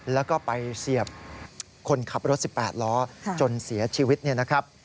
แล้วก็ไปเสียบคนขับรถ๑๘ล้อจนเสียชีวิตเนี่ยนะครับ